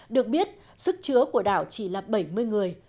được biết sức chứa của đảo chỉ là bảy mươi người